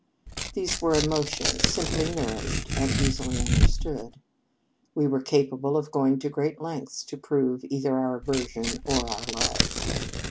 These were emotions, amply nourished, and easily understood. We were capable of going to great lengths to prove either our aversion or our love.